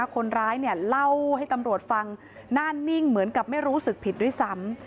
คนร้ายเล่าให้ตำรวจฟังหน้านิ่งเหมือนกับไม่รู้สึกผิดด้วยซ้ำ